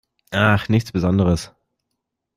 Ach, nichts Besonderes.